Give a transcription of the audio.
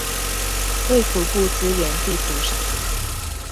衛福部資源地圖上線